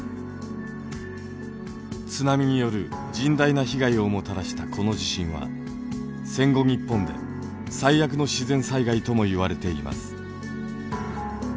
津波による甚大な被害をもたらしたこの地震は戦後日本で最悪の自然災害ともいわれています。